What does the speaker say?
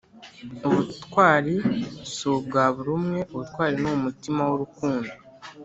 ubutwari si ubwa buri umwe ubutwari ni umutima w’urukundo